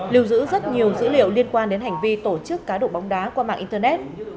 lưu giữ rất nhiều dữ liệu liên quan đến hành vi tổ chức cá độ bóng đá qua mạng internet